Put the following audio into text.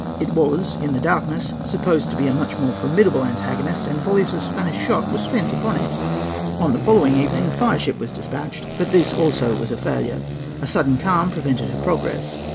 It was, in the darkness, supposed to be a much more formidable antagonist, and volleys of Spanish shot were spent upon it. On the following evening a fireship was despatched; but this also was a failure. A sudden calm prevented her progress.